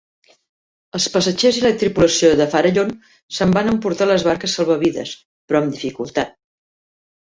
Els passatgers i la tripulació de "Farallon" se'n van emportar les barques salvavides, però amb dificultat.